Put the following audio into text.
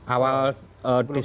awal desember ini ya